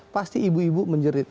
pasti ibu ibu menjerit